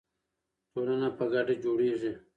ټولنه په ګډه جوړیږي.